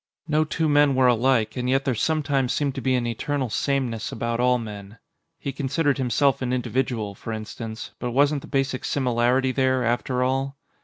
No two men were alike, and yet there sometimes seemed to be an eternal sameness about all men. He considered himself an individual, for instance, but wasn't the basic similarity there, after all?